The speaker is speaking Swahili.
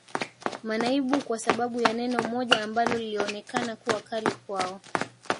manaibu kwa sababu ya neno moja ambalo lilionekana kuwa kali kwao